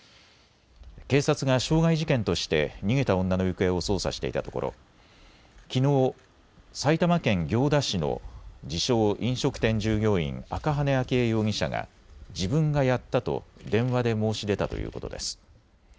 警察が傷害事件として逃げた女の行方を捜査していたところきのう、埼玉県行田市の自称・飲食店従業員、赤羽純依容疑者が自分がやったと電話で申し出たということです。